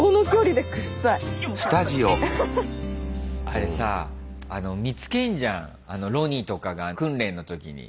あれさ見つけんじゃんロニとかが訓練の時に。